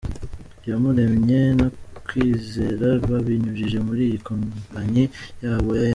Iyamuremye na Kwizera babinyujije muri iyi kompanyi yabo ya M.